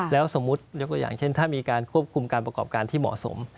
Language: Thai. แล้วสมมุติยกตัวอย่างเช่นถ้ามีการควบคุมการประกอบการที่เหมาะสม